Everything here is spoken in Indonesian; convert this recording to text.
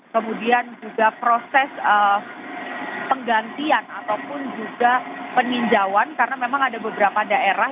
kemudian juga proses penggantian ataupun juga peninjauan karena memang ada beberapa daerah